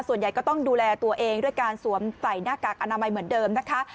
ส่วนใหญ่ก็ต้องดูแลตัวเองด้วยการสวมใส่หน้ากากอนามัยเหมือนเดิมนะคะ